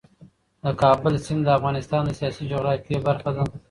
د کابل سیند د افغانستان د سیاسي جغرافیې برخه ده.